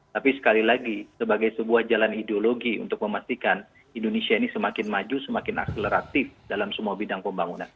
tapi sekali lagi sebagai sebuah jalan ideologi untuk memastikan indonesia ini semakin maju semakin akseleratif dalam semua bidang pembangunan